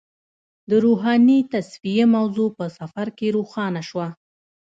د روحاني تصفیې موضوع په سفر کې روښانه شوه.